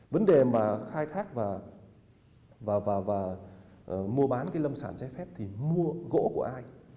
vấn đề mà khai thác và mua bán cái lâm sản trái phép thì mua gỗ của ai